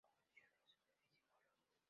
Composición de la superficie: Bolos.